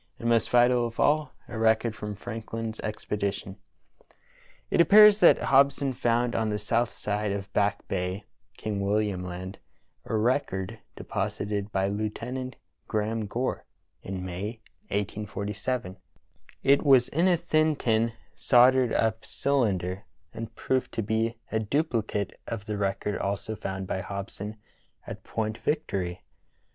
and, most vital of all, a record from Frankhn's expedition. It appears that Hobson found on the south side of Back Bay, King William Land, a record deposited by Lieutenant Graham Gore in May, 1847. It was in a thin tin soldered up cylinder, and proved to be a dupli cate of the record also found by Hobson at Point Vic tory.